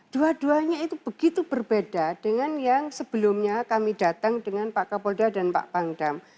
dua duanya itu begitu berbeda dengan yang sebelumnya kami datang dengan pak kapolda dan pak pangdam